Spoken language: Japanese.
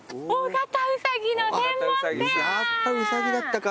やっぱウサギだったか。